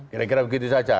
kira kira begitu saja